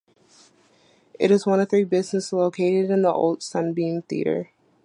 It is one of three businesses located in the old Sunbeam Theatre.